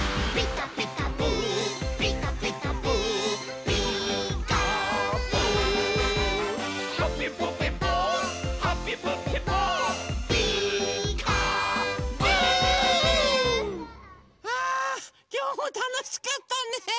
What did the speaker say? たのしかった！ねえ。